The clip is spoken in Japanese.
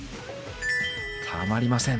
たまりません。